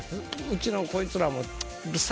うちのこいつらも「ちっ！